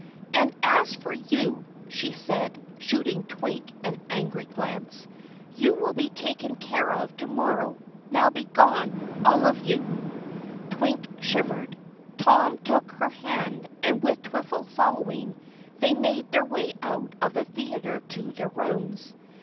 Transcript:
And as for you," she said, shooting Twink an angry glance, "you will be taken care of tomorrow. Now be gone all of you!" Twink shivered. Tom took her hand, and with Twiffle following, they made their way out of the theater to their rooms.